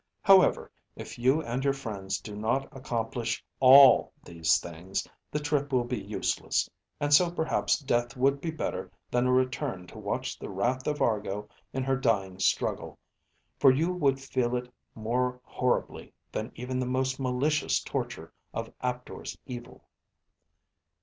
However, if you and your friends do not accomplish all these things, the trip will be useless; and so perhaps death would be better than a return to watch the wrath of Argo in her dying struggle, for you would feel it more horribly than even the most malicious torture of Aptor's evil."